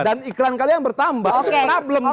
dan iklan kalian bertambah itu problem gitu